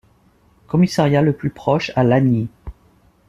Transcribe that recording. Commissariat le plus proche à Lagny.